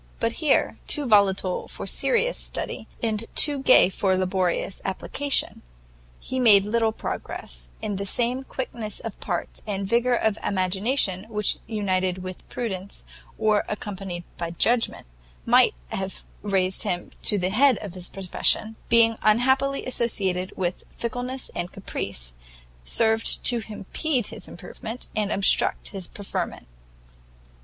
But here, too volatile for serious study, and too gay for laborious application, he made little progress: and the same quickness of parts and vigour of imagination which united with prudence, or accompanied by judgment, might have raised him to the head of his profession, being unhappily associated with fickleness and caprice, served only to impede his improvement, and obstruct his preferment.